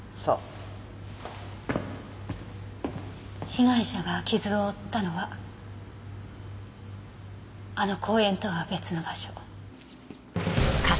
被害者が傷を負ったのはあの公園とは別の場所。